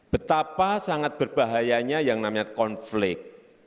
betapa sangat berbahayanya yang namanya konflik